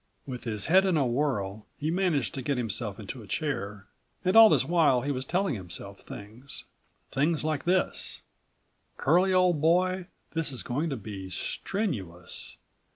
With his head in a whirl, he managed to get himself into a chair. And all this while he was telling himself things; things like this:89 "Curlie, old boy, this is going to be strenuous.